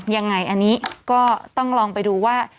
ยังไงอันนี้ก็ต้องลองไปดูว่า